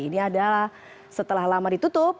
ini adalah setelah lama ditutup